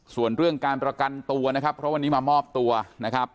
ส่วนเรื่องการประกันตัวนะครับเพราะวันนี้มามอบตัวนะครับ